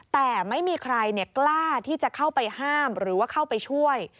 แต่ไม่มีใครกล้าที่จะเข้าไปห้ามหรือว่าเข้าไปช่วย